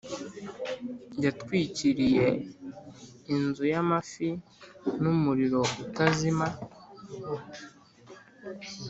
yatwikiriye inzu y'amafi n'umuriro utazima,